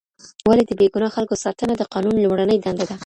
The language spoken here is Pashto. ولي د بې ګناه خلګو ساتنه د قانون لومړنۍ دنده ده؟